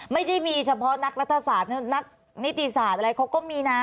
ไม่ใช่มีเฉพาะนักรัฐศาสตร์นักนิติศาสตร์อะไรเขาก็มีนะ